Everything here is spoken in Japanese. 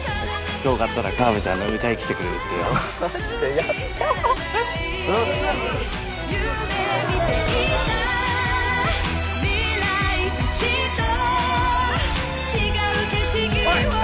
今日勝ったらカワベちゃん飲み会来てくれるってよお願いします